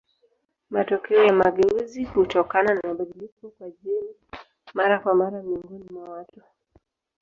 Matokeo ya mageuzi hutokana na mabadiliko kwa jeni mara kwa mara miongoni mwa watu.